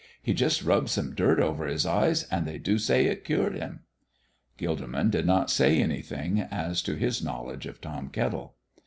He just rubbed some dirt over his eyes, and they do say it cured him." Gilderman did not say anything as to his knowledge of Tom Kettle.